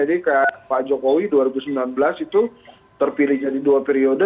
jadi kayak pak jokowi dua ribu sembilan belas itu terpilih jadi dua periode